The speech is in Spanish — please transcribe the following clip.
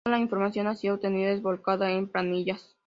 Toda la información así obtenida es volcada en planillas.